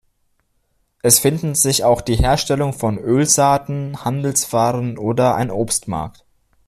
Es finden sich auch die Herstellung von Ölsaaten, Handelswaren und ein Obstmarkt.